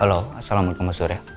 halo assalamualaikum mas dureh